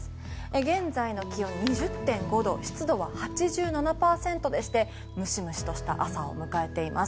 現在の気温は２０．５度湿度は８７％でしてムシムシした朝を迎えています。